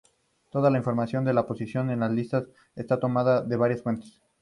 Toda la información de la posición en listas está tomada de varias fuentes.